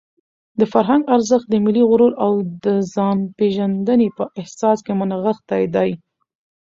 د فرهنګ ارزښت د ملي غرور او د ځانپېژندنې په احساس کې نغښتی دی.